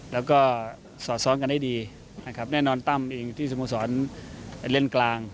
และก็สอนกันได้ดีแน่นอนตั้มที่สมุนมติเล่นกลาง